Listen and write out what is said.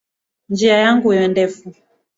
Njia yangu iwe ndefu.